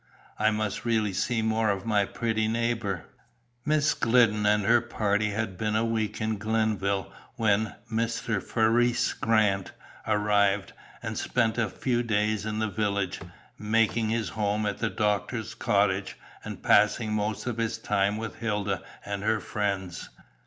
I must really see more of my pretty neighbour." Miss Glidden and her party had been a week in Glenville when "Mr. Ferriss Grant" arrived, and spent a few days in the village, making his home at the doctor's cottage, and passing most of his time with Hilda and her friends.